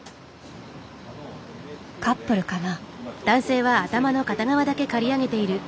カップルかな？